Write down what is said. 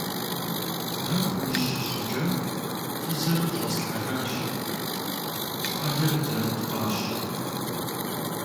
Нэху мыщ щӀыкӀэ фызыр щӀэслъхьэжащ, щӀалэр дэ тпӀащ.